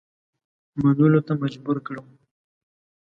منلو ته مجبور کړم.